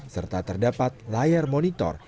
serta terdapat layar monitor